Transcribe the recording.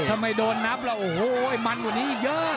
ถ้าไม่โดนนับแล้วโอ้โหมันกว่านี้อีกเยอะ